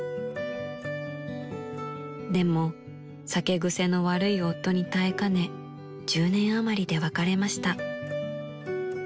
［でも酒癖の悪い夫に耐えかね１０年あまりで別れました］